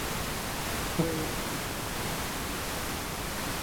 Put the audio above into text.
Wewe ni mwanaharakati mwema